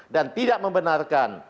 dan tidak membenarkan